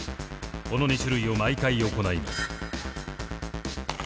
この２種類を毎回行います。